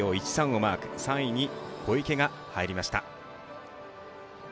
３位に小池が入りました。